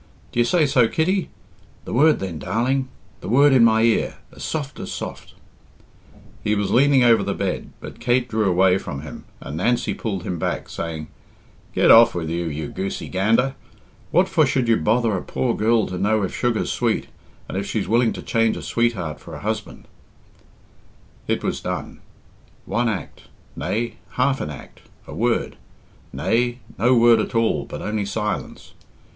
"D'ye say so, Kitty? The word then, darling the word in my ear as soft as soft " He was leaning over the bed, but Kate drew away from him, and Nancy pulled him back, saying, "Get off with you, you goosey gander! What for should you bother a poor girl to know if sugar's sweet, and if she's willing to change a sweetheart for a husband?" It was done. One act nay, half an act; a word nay, no word at all, but only silence.